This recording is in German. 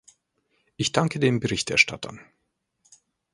Ich danke den Berichterstattern.